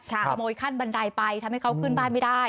ขโมยขั้นบันไดไปทำให้เขาขึ้นบ้านไม่ได้